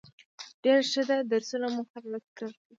ډیره ښه ده درسونه مو هره ورځ تکرار کړئ